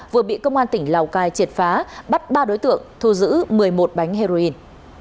vừa bị công an tỉnh lào cai triệt phá bắt ba đối tượng thu giữ một mươi một bánh heroin